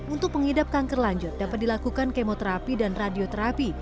untuk pengidap kanker lanjut dapat dilakukan kemoterapi dan radioterapi